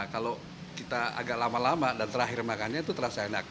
kalau kita agak lama lama dan terakhir makannya itu terasa enak